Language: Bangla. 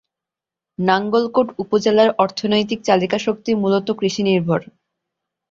নাঙ্গলকোট উপজেলার অর্থনৈতিক চালিকা শক্তি মূলত কৃষি নির্ভর।